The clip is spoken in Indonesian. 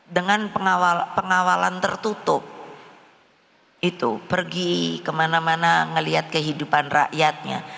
dengan pengawalan tertutup itu pergi kemana mana melihat kehidupan rakyatnya